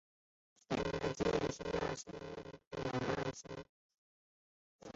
最简单的累积二烯烃是丙二烯。